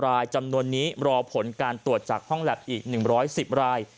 รายจำนวนนี้รอผลการตรวจจากห้องแล็บอีก๑๑๐ราย